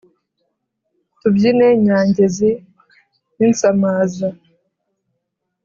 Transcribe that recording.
tubyine nyangezi n’insamaza